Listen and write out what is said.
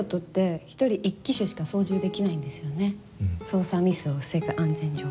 操作ミスを防ぐ安全上。